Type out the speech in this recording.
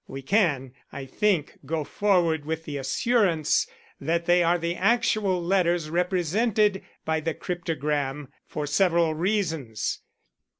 We can, I think, go forward with the assurance that they are the actual letters represented by the cryptogram, for several reasons.